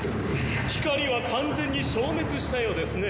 光は完全に消滅したようですね。